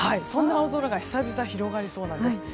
そんな青空が久々広がりそうなんです。